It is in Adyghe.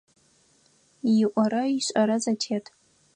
ИIорэ ишIэрэ зэтет.